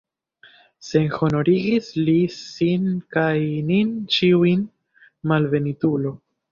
Senhonorigis li sin kaj nin ĉiujn, malbenitulo!